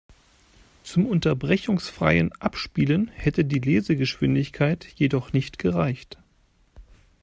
Zum unterbrechungsfreien Abspielen hätte die Lesegeschwindigkeit jedoch nicht gereicht.